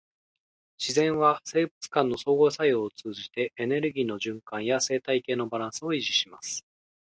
自然は生物間の相互作用を通じて、エネルギーの循環や生態系のバランスを維持します。